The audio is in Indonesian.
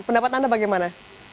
pendapat anda bagaimana